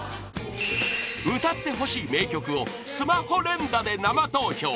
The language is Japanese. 歌ってほしい名曲をスマホ連打で生投票！